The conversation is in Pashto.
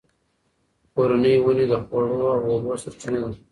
کورني ونې د خواړو او اوبو سرچینه ده.